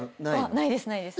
ないですないです。